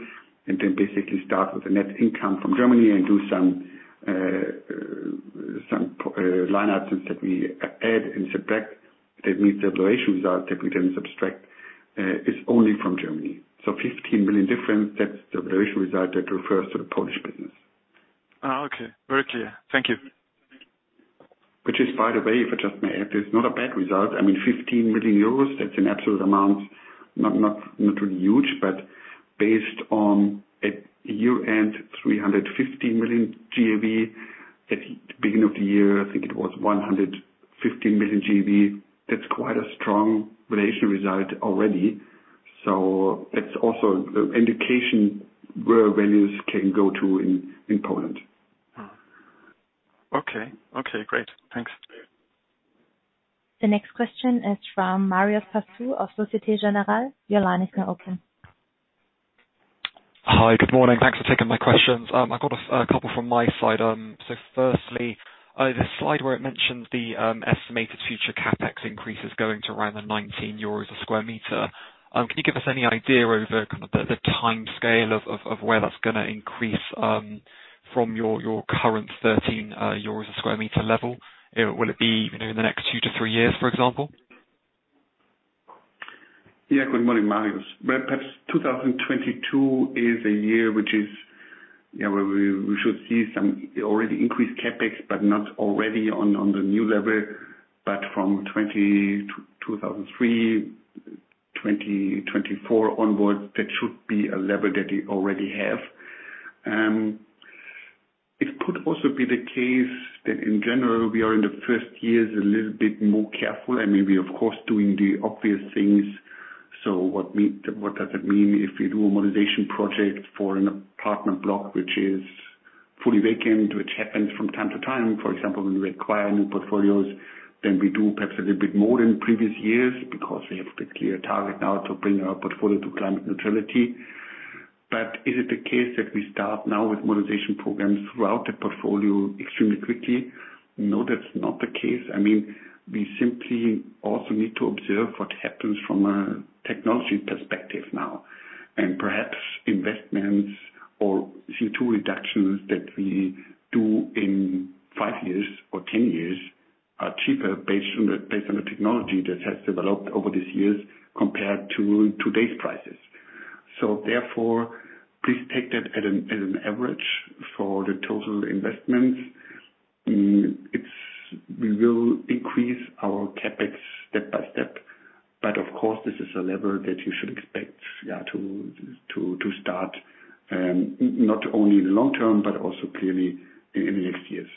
[SPEAKER 2] and then basically start with the net income from Germany and do some line items that we add and subtract. That means the operating result that we then subtract is only from Germany. 15 million difference, that's the operating result that refers to the Polish business.
[SPEAKER 5] Oh, okay. Very clear. Thank you.
[SPEAKER 2] Which is by the way, if I just may add, is not a bad result. I mean 15 million euros, that's an absolute amount. Not really huge. Based on a year-end 350 million GAV at the beginning of the year, I think it was 150 million GAV. That's quite a strong relative result already. It's also indication where values can go to in Poland.
[SPEAKER 5] Oh, okay. Okay, great. Thanks.
[SPEAKER 1] The next question is from Marios Pastou of Société Générale. Your line is now open.
[SPEAKER 6] Hi, good morning. Thanks for taking my questions. I've got a couple from my side. So firstly, this slide where it mentions the estimated future CapEx increases going to around the 19 euros a sq m. Can you give us any idea over kind of the timescale of where that's gonna increase from your current 13 euros a sq m level? Will it be, you know, in the next two to three years, for example?
[SPEAKER 2] Yeah. Good morning, Marius. Well, perhaps 2022 is a year which is, you know, where we should see some already increased CapEx, but not already on the new level. From 2023, 2024 onwards, that should be a level that we already have. It could also be the case that in general we are in the first years a little bit more careful and maybe of course doing the obvious things. What does it mean if we do a modernization project for an apartment block which is fully vacant, which happens from time to time, for example, when we acquire new portfolios. Then we do perhaps a little bit more than previous years because we have the clear target now to bring our portfolio to climate neutrality. Is it the case that we start now with modernization programs throughout the portfolio extremely quickly? No, that's not the case. I mean, we simply also need to observe what happens from a technology perspective now. Perhaps investments or CO₂ reductions that we do in five years or 10 years are cheaper based on the technology that has developed over these years compared to today's prices. Therefore, please take that as an average for the total investments. We will increase our CapEx step by step. Of course, this is a level that you should expect, yeah, to start not only in the long term, but also clearly in the next years.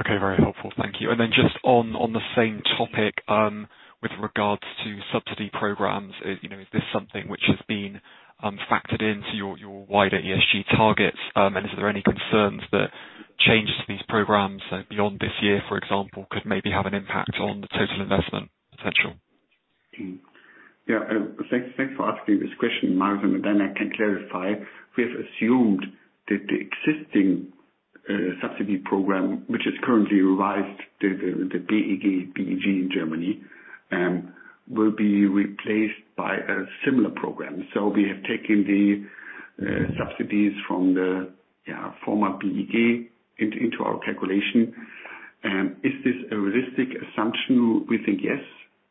[SPEAKER 6] Okay. Very helpful. Thank you. Just on the same topic with regards to subsidy programs. Is this something which has been factored into your wider ESG targets, you know? Is there any concerns that changes to these programs, say, beyond this year, for example, could maybe have an impact on the total investment potential?
[SPEAKER 2] Thanks for asking this question, Marios. Then I can clarify. We have assumed that the existing subsidy program, which is currently revised, the BEG in Germany, will be replaced by a similar program. We have taken the subsidies from the former BEG into our calculation. Is this a realistic assumption? We think yes.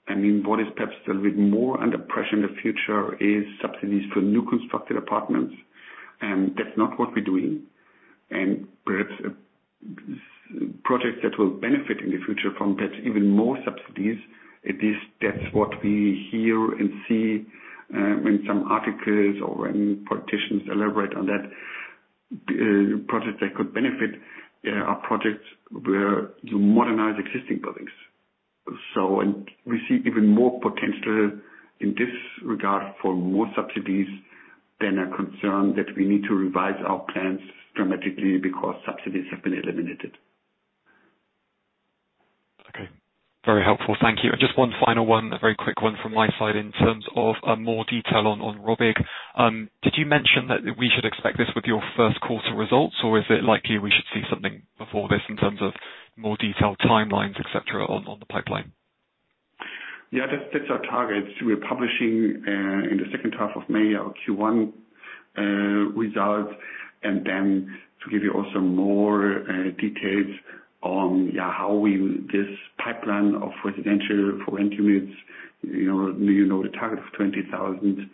[SPEAKER 2] I mean, what is perhaps a little bit more under pressure in the future is subsidies for new constructed apartments. That's not what we're doing. Perhaps projects that will benefit in the future from that, even more subsidies. At least that's what we hear and see in some articles or when politicians elaborate on that. Projects that could benefit are projects where you modernize existing buildings. We see even more potential in this regard for more subsidies than a concern that we need to revise our plans dramatically because subsidies have been eliminated.
[SPEAKER 6] Okay. Very helpful. Thank you. Just one final one, a very quick one from my side in terms of more detail on ROBYG. Did you mention that we should expect this with your first quarter results, or is it likely we should see something before this in terms of more detailed timelines, et cetera, on the pipeline?
[SPEAKER 2] Yeah. That's our target. We're publishing in the second half of May, our Q1 results. Then to give you also more details on how we this pipeline of residential for rent units, you know the target of 20,000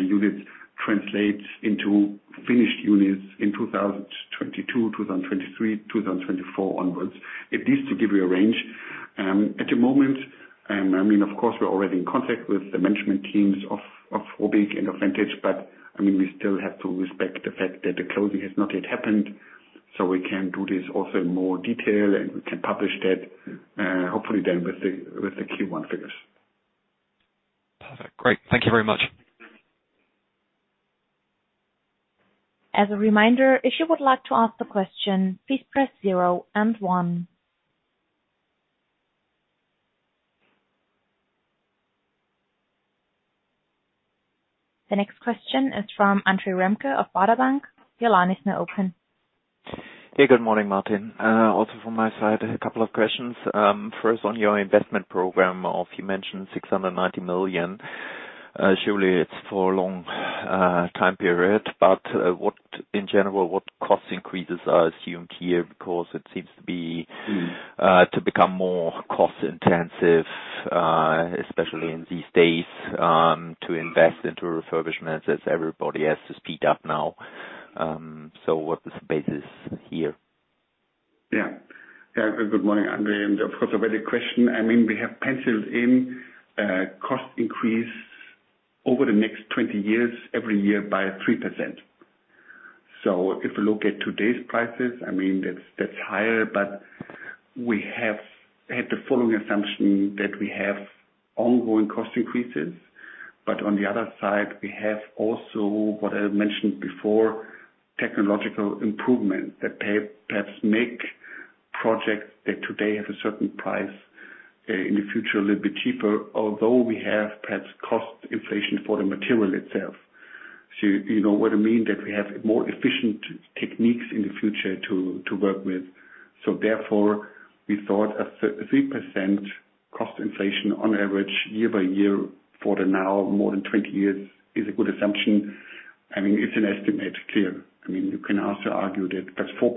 [SPEAKER 2] units translates into finished units in 2022, 2023, 2024 onwards. At least to give you a range. At the moment, I mean, of course we're already in contact with the management teams of ROBYG and Vantage, but I mean, we still have to respect the fact that the closing has not yet happened. We can do this also in more detail, and we can publish that, hopefully then with the Q1 figures.
[SPEAKER 6] Perfect. Great. Thank you very much.
[SPEAKER 1] As a reminder, if you would like to ask the question, please press zero and one. The next question is from Andre Remke of Baader Bank. Your line is now open.
[SPEAKER 7] Hey, good morning, Martin. Also from my side, a couple of questions. First on your investment program of 690 million you mentioned. Surely it's for a long time period, but in general, what cost increases are assumed here? Because it seems to be —to become more cost intensive, especially in these days, to invest into refurbishments as everybody has to speed up now. What is the basis here?
[SPEAKER 2] Yeah. Good morning, Andre, and of course, a valid question. I mean, we have penciled in cost increase over the next 20 years every year by 3%. If you look at today's prices, I mean, that's higher, but we have had the following assumption that we have ongoing cost increases. On the other side, we have also what I mentioned before, technological improvements that perhaps make projects that today have a certain price in the future a little bit cheaper, although we have perhaps cost inflation for the material itself. You know what I mean, that we have more efficient techniques in the future to work with. Therefore, we thought a three percent cost inflation on average year-by-year for the now more than 20 years is a good assumption. I mean, it's an estimate, clear. I mean, you can also argue that perhaps 4%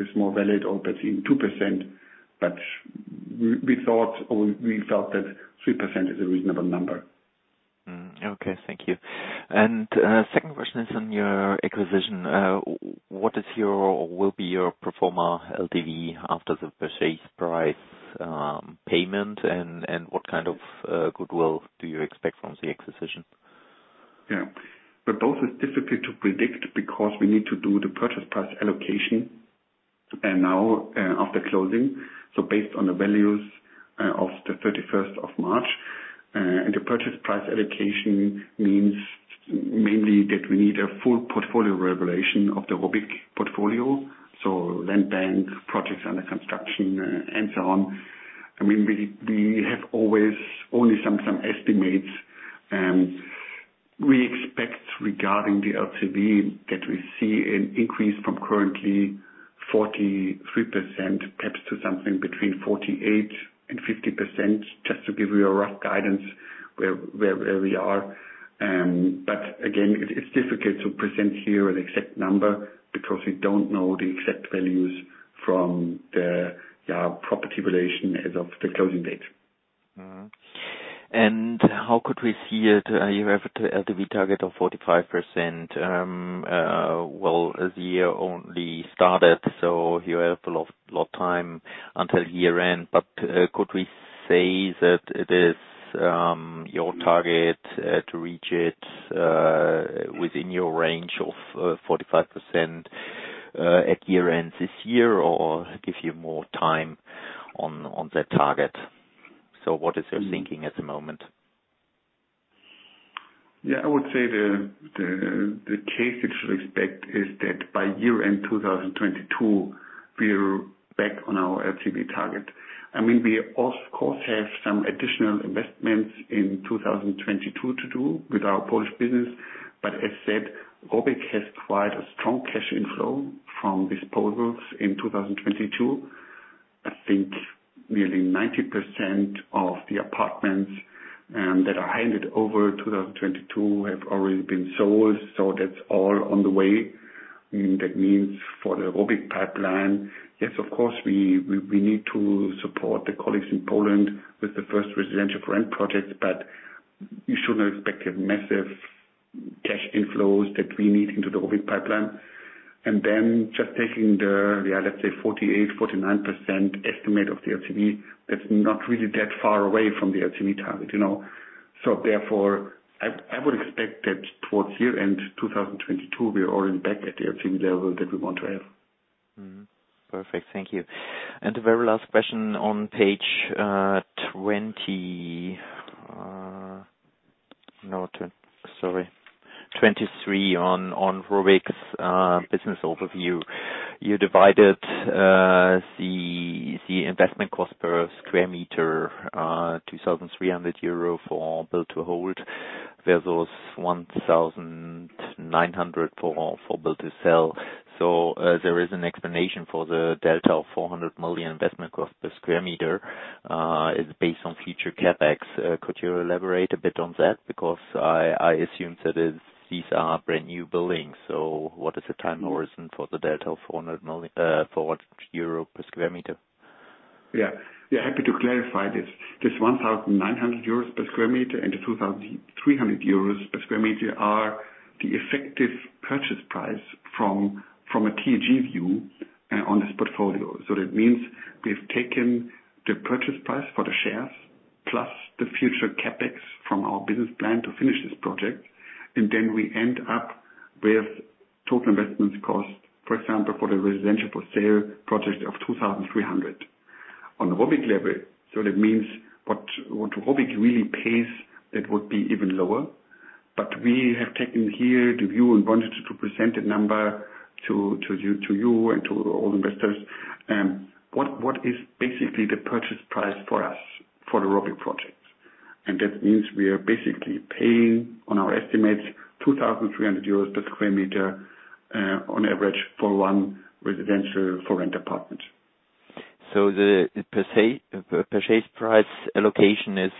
[SPEAKER 2] is more valid or perhaps even 2%, but we thought or we felt that 3% is a reasonable number.
[SPEAKER 7] Okay. Thank you. Second question is on your acquisition. What is your or will be your pro forma LTV after the purchase price payment, and what kind of goodwill do you expect from the acquisition?
[SPEAKER 2] Yeah. Both is difficult to predict because we need to do the purchase price allocation. Now, after closing, based on the values of the 31st of March. The purchase price allocation means mainly that we need a full portfolio valuation of the ROBYG portfolio, so land bank, projects under construction, and so on. I mean, we have always only some estimates. We expect regarding the LTV that we see an increase from currently 43%, perhaps to something between 48% and 50%, just to give you a rough guidance where we are. Again, it's difficult to present here an exact number because we don't know the exact values from the property valuation as of the closing date.
[SPEAKER 7] How could we see it? You have LTV target of 45%, as the year only started, so you have a lot time until year-end. Could we say that it is your target to reach it within your range of 45% at year-end this year, or gives you more time on that target? What is your thinking at the moment?
[SPEAKER 2] Yeah, I would say the case you should expect is that by year-end 2022, we're back on our LTV target. I mean, we of course have some additional investments in 2022 to do with our Polish business. But as said, ROBYG has quite a strong cash inflow from disposals in 2022. I think nearly 90% of the apartments that are handed over in 2022 have already been sold. So that's all on the way. That means for the ROBYG pipeline, yes, of course, we need to support the colleagues in Poland with the first residential rent project, but you should not expect massive cash inflows that we need into the ROBYG pipeline. just taking the, yeah, let's say 48%-49% estimate of the LTV, that's not really that far away from the LTV target, you know. Therefore, I would expect that towards year-end 2022, we're already back at the LTV level that we want to have.
[SPEAKER 7] Perfect. Thank you. The very last question on page 23 on ROBYG's business overview. You divided the investment cost per sq m, 2,300 euro for Build-to-Hold, versus 1,900 for Build-to-Sell. There is an explanation for the delta of 400 per sq m is based on future CapEx. Could you elaborate a bit on that? Because I assume that these are brand-new buildings. What is the time horizon for the delta of 400 euro per sq m?
[SPEAKER 2] Happy to clarify this. This 1,900 euros per sq m and the 2,300 euros per sq m are the effective purchase price from a TAG view on this portfolio. That means we've taken the purchase price for the shares, plus the future CapEx from our business plan to finish this project. Then we end up with total investment cost, for example, for the residential for sale project of 2,300 on the ROBYG level. That means what ROBYG really pays, it would be even lower. We have taken here the view and wanted to present a number to you and to all investors. What is basically the purchase price for us for the ROBYG projects? That means we are basically paying on our estimates 2,300 euros per sq m, on average for one residential for rent apartment.
[SPEAKER 7] The per se purchase price allocation is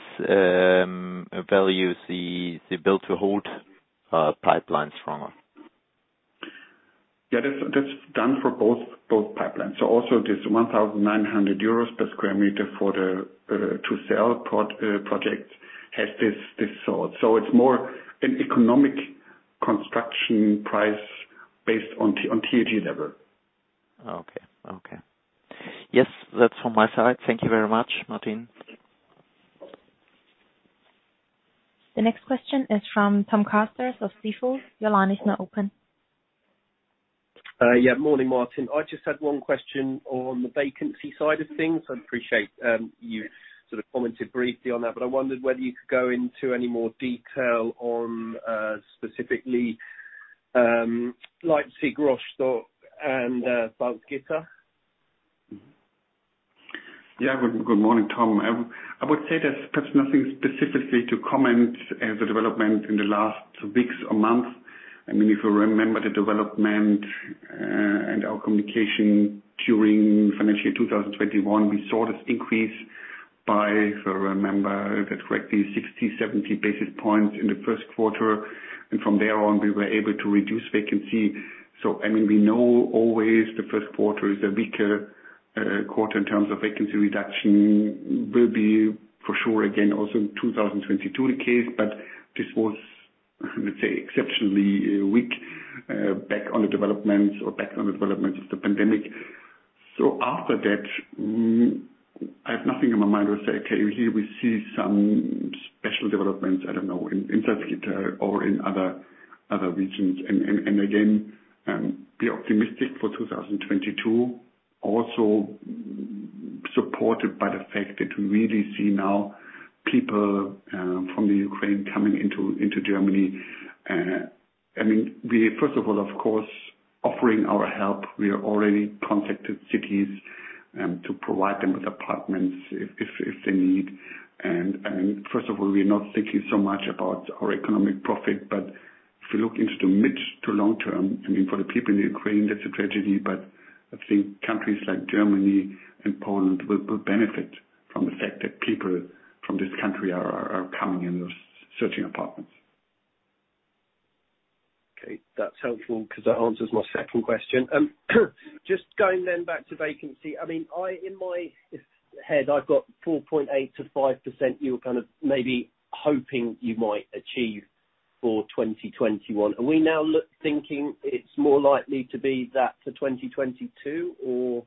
[SPEAKER 7] values the Build-to-Hold pipeline stronger?
[SPEAKER 2] That's done for both pipelines. Also this 1,900 euros per sq m for the build-to-sell project has this sold. It's more an economic construction price based on TAG level.
[SPEAKER 7] Okay. Yes. That's from my side. Thank you very much, Martin.
[SPEAKER 1] The next question is from Tom Carstairs of Jefferies. Your line is now open.
[SPEAKER 8] Morning, Martin. I just had one question on the vacancy side of things. I'd appreciate you sort of commented briefly on that, but I wondered whether you could go into any more detail on, specifically, Leipzig, Rostock and Salzgitter.
[SPEAKER 2] Good morning, Tom. I would say there's perhaps nothing specifically to comment as a development in the last weeks or months. I mean, if you remember the development and our communication during financial year 2021, we saw this increase by, if I remember that correctly, 60-70 basis points in the first quarter. From there on, we were able to reduce vacancy. I mean, we know always the first quarter is a weaker quarter in terms of vacancy reduction. It will be for sure, again, also in 2022 the case. This was, let's say, exceptionally weak back on the developments of the pandemic. After that, I have nothing in my mind to say. Okay, here we see some special developments. I don't know, in Salzgitter or in other regions. Again, be optimistic for 2022, also supported by the fact that we really see now people from the Ukraine coming into Germany. I mean, we first of all, of course, offering our help. We have already contacted cities to provide them with apartments if they need. First of all, we're not thinking so much about our economic profit. If you look into the mid to long term, I mean, for the people in the Ukraine, that's a tragedy. I think countries like Germany and Poland will benefit from the fact that people from this country are coming and are searching apartments.
[SPEAKER 8] Okay. That's helpful 'cause that answers my second question. Just going then back to vacancy. I mean, in my head I've got 4.8%-5% you were kind of maybe hoping you might achieve for 2021. Are we now thinking it's more likely to be that for 2022 or?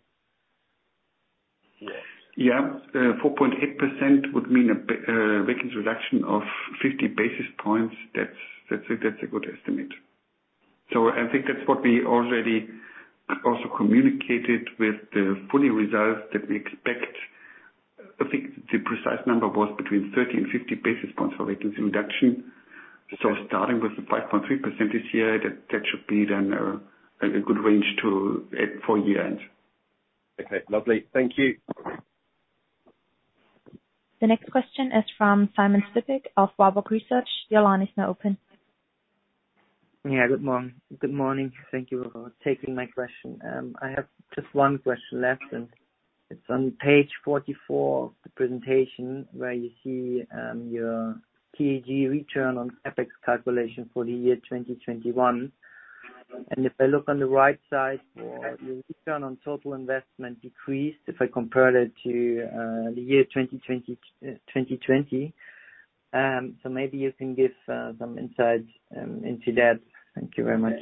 [SPEAKER 2] Yeah. 4.8% would mean a vacancy reduction of 50 basis points. That's a good estimate. I think that's what we already also communicated with the full-year results that we expect. I think the precise number was between 30 and 50 basis points for vacancy reduction. Starting with the 5.3% this year, that should be then a good range to aim for year end.
[SPEAKER 8] Okay. Lovely. Thank you.
[SPEAKER 1] The next question is from Simon Stippig of Warburg Research. Your line is now open.
[SPEAKER 9] Good morning. Thank you for taking my question. I have just one question left, and it's on page 44 of the presentation where you see your TAG return on CapEx calculation for the year 2021. If I look on the right side for your return on total investment decreased, if I compare it to the year 2020. Maybe you can give some insights into that. Thank you very much.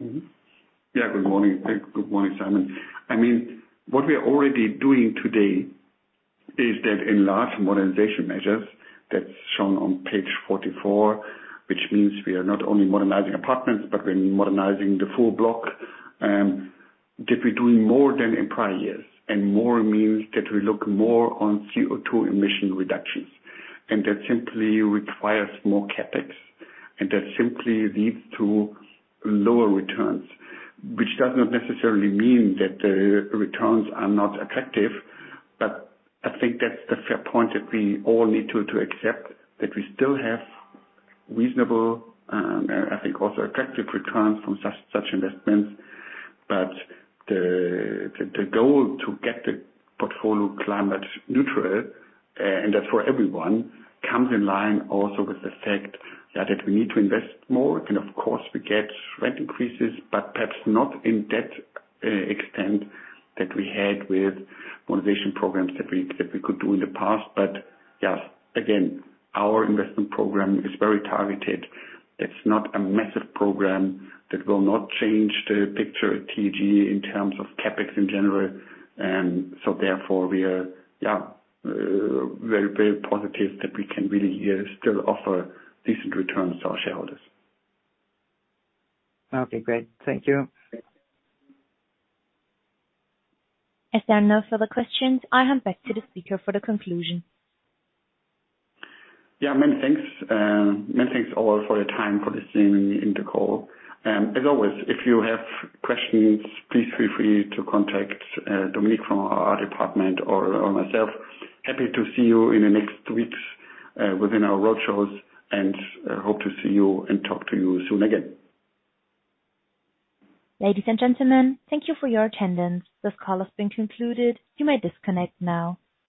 [SPEAKER 2] Yeah. Good morning. Good morning, Simon. I mean, what we are already doing today is that in large modernization measures that's shown on page 44, which means we are not only modernizing apartments, but we're modernizing the full block that we're doing more than in prior years. More means that we look more on CO₂ emission reductions, and that simply requires more CapEx, and that simply leads to lower returns, which does not necessarily mean that the returns are not attractive. I think that's the fair point that we all need to accept that we still have reasonable, I think also attractive returns from such investments. The goal to get the portfolio climate neutral, and that's for everyone, comes in line also with the fact that we need to invest more. Of course we get rent increases, but perhaps not in that extent that we had with modernization programs that we could do in the past. Yes, again, our investment program is very targeted. It's not a massive program that will not change the picture at TAG in terms of CapEx in general. Therefore we are very, very positive that we can really still offer decent returns to our shareholders.
[SPEAKER 9] Okay, great. Thank you.
[SPEAKER 1] As there are no further questions, I hand back to the speaker for the conclusion.
[SPEAKER 2] Yeah, many thanks. Many thanks all for your time for listening in the call. As always, if you have questions, please feel free to contact Dominique from our IR department or myself. Happy to see you in the next weeks within our roadshows, and hope to see you and talk to you soon again.
[SPEAKER 1] Ladies and gentlemen, thank you for your attendance. This call has been concluded. You may disconnect now.